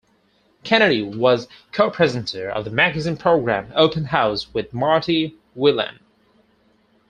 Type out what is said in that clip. Kennedy was co-presenter of the magazine programme "Open House" with Marty Whelan.